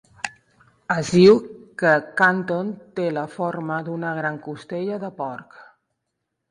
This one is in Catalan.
Es diu que Kanton té la forma d'una gran costella de porc.